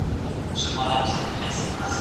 ملائکي هغه کور ته نه داخليږي، چي هلته تصويرونه وي.